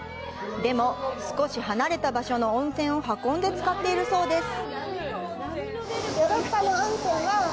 でも、少し離れた場所の温泉を運んで使っているそうです。